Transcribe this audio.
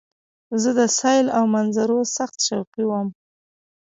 زه د سیل او منظرو سخت شوقی وم.